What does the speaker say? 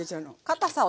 かたさ？